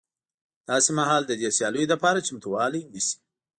داسې مهال د دې سیالیو لپاره چمتوالی نیسي